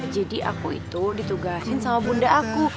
jadi aku itu ditugasin sama bunda aku